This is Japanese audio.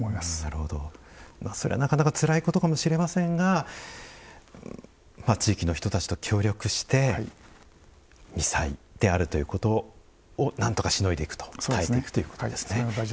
それはなかなかつらいことかもしれませんが地域の人たちと協力して「未災」であるということをなんとかしのいでいくと耐えていくということですね。